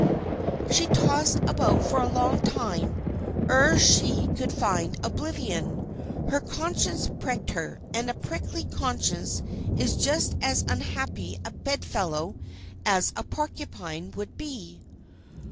She tossed about for a long time ere she could find oblivion. Her conscience pricked her, and a prickly conscience is just as unhappy a bedfellow as a porcupine would be.